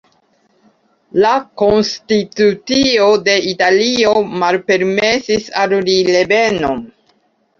La konstitucio de Italio malpermesis al li revenon.